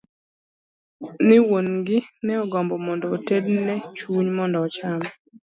Ni wuon gi ne ogombo mondo otedne chunye mondo ocham.